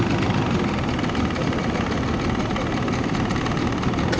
เมื่อเวลาที่สุดมันกลายเป้าหมายเป็นส่วนสุดท้าย